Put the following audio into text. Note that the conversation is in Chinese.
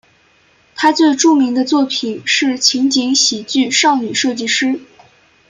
他最著名的作品是情景喜剧少女设计师。